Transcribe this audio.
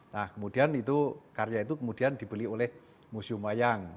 nah kemudian itu karya itu kemudian dibeli oleh museum wayang